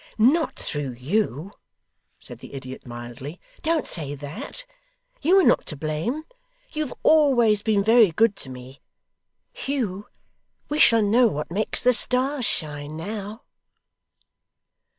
'Not through you,' said the idiot, mildly. 'Don't say that. You were not to blame. You have always been very good to me. Hugh, we shall know what makes the stars shine, NOW!